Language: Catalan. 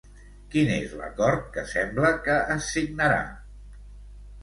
Quin és l'acord que sembla que es signarà?